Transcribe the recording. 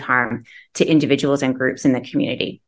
kepada individu dan grup di komunitas